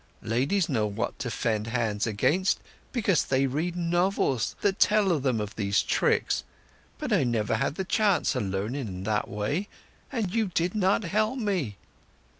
Ladies know what to fend hands against, because they read novels that tell them of these tricks; but I never had the chance o' learning in that way, and you did not help me!"